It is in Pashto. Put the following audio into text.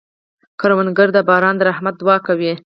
کروندګر د باران د رحمت دعا کوي